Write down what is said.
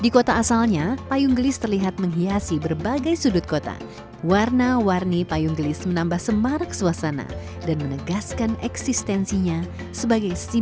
hal ini dilakukan para perajin sebagai bentuk adaptasi agar payung gelis bisa tetap bertahan di tengah maraknya payung pabrikan yang digunakan orang sehari hari